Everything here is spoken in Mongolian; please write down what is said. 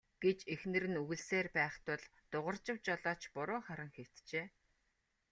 гэж эхнэр нь үглэсээр байх тул Дугаржав жолооч буруу харан хэвтжээ.